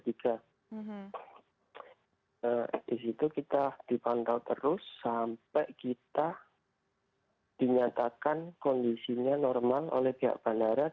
di situ kita dipantau terus sampai kita dinyatakan kondisinya normal oleh pihak bandara